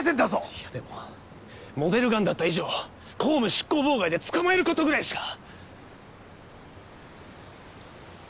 いやでもモデルガンだった以上公務執行妨害で捕まえる事ぐらいしか！